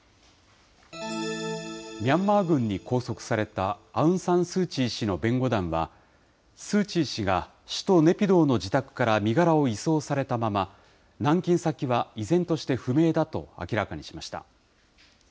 ミャンマー軍に拘束されたアウン・サン・スー・チー氏の弁護団は、スー・チー氏が首都ネピドーの自宅から身柄を移送されたまま、軟禁先は依然として不明だと明らかにしました。